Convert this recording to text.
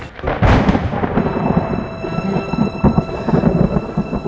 tidak ada yang bisa disayangkan